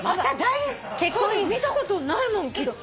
見たことないもんきっと。